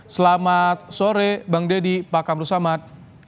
selamat sore bang deddy pak kamru samad